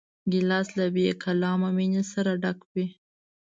ګیلاس له بېکلامه مینې سره ډک وي.